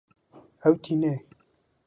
Ew tîne